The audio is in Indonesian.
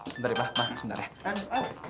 sepertinya kalau soft influencer itu